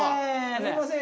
すいません